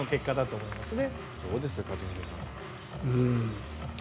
どうですか、一茂さん。